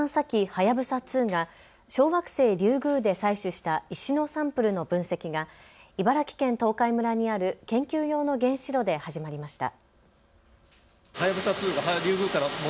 はやぶさ２が小惑星リュウグウで採取した石のサンプルの分析が茨城県東海村にある研究用の原子炉で始まりました。